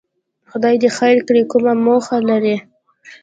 خدای دې خیر کړي، کومه موخه لري؟